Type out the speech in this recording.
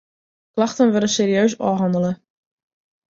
Klachten wurde serieus ôfhannele.